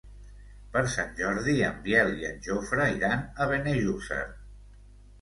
Per Sant Jordi en Biel i en Jofre iran a Benejússer.